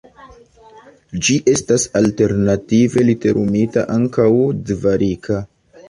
Ĝi estas alternative literumita ankaŭ Dvarika.